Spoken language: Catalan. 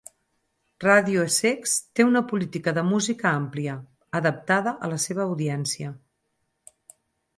Ràdio Essex té una política de música àmplia, adaptada a la seva audiència.